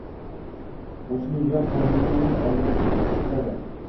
Qo‘shchi yo‘q qorinni olg‘a siltadi.